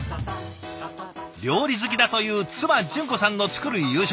料理好きだという妻淳子さんの作る夕食。